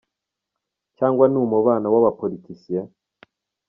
cyangwa ni umubonano w’aba politiciens ?